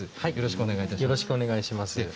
よろしくお願いします。